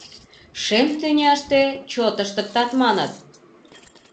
Шем тӱняште чот ыштыктат, маныт.